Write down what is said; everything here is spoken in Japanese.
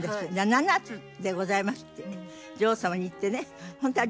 「７つでございます」って女王様に言ってね。